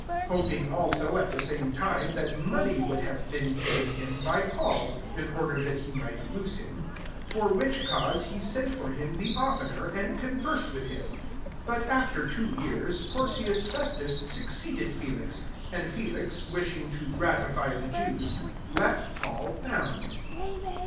*' 26 Hop ing also, at the same time, that money would have been given him by Paul, [in order that he might loose him :] for which cause, he sent for him the often er, and conversed with him. 27 But after two years Porcius Festus succeeded Felix; and Felix, wishing to gratify the Jews, left Paul bound.